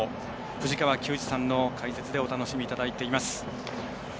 藤川球児さんの解説でお楽しみいただいております。